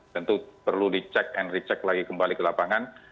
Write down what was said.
tentu perlu dicek and recheck lagi kembali ke lapangan